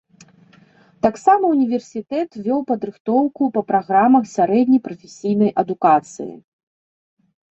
Таксама ўніверсітэт вёў падрыхтоўку па праграмах сярэдняй прафесійнай адукацыі.